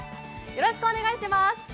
よろしくお願いします。